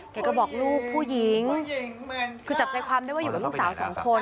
แกก็บอกลูกผู้หญิงคือจับใจความได้ว่าอยู่กับลูกสาวสองคน